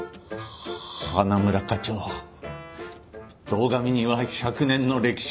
花村課長堂上には１００年の歴史があるんです。